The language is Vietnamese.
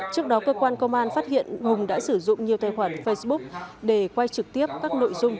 trước đó cơ quan công an phát hiện hùng đã sử dụng nhiều tài khoản facebook để quay trực tiếp các nội dung